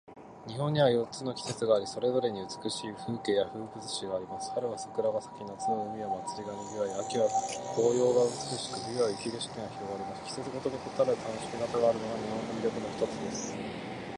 日本には四つの季節があり、それぞれに美しい風景や風物詩があります。春は桜が咲き、夏は海や祭りが賑わい、秋は紅葉が美しく、冬は雪景色が広がります。季節ごとに異なる楽しみ方があるのが、日本の魅力の一つです。